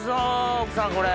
奥さんこれ！